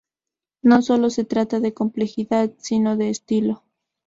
No solo se trata de complejidad, sino de estilo.